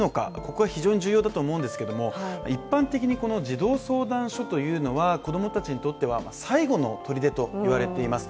ここは非常に重要だと思うんですが、一般的に児童相談所というのは子供たちにとっては最後のとりでと言われています。